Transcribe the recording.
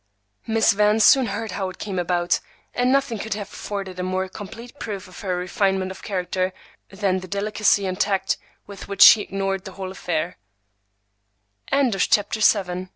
Miss Van soon heard how it came about, and nothing could have afforded a more complete proof of her refinement of character than the delicacy and tact with which she ignored the whole aff